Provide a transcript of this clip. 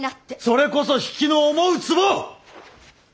それこそ比企の思うつぼ！